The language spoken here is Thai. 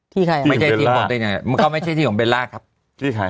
ที่ใครอ่ะมันก็ไม่ใช่ที่ของเบลลาร์ครับที่ใคร